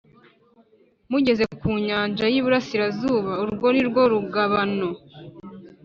mugeze ku nyanja y iburasirazuba Urwo ni rwo rugabano